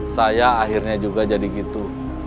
saya akhirnya juga jadi gitu